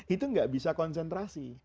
itu gak bisa konsentrasi